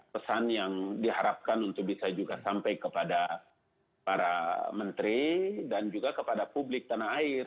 pesan yang diharapkan untuk bisa juga sampai kepada para menteri dan juga kepada publik tanah air